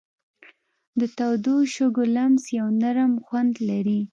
د تودو شګو لمس یو نرم خوند لري.